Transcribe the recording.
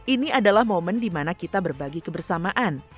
ini adalah momen di mana kita berbagi kebersamaan